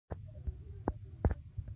تواب وپوښتل څنګه پیدا کړم.